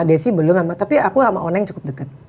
desi belum tapi aku sama oneng cukup dekat